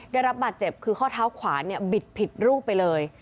ได้รับบาดเจ็บคือข้อเท้าขวาเนี่ยบิดผิดรูปไปเลย